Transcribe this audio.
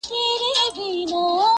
ځان به آصل ورته ښکاري تر خپلوانو،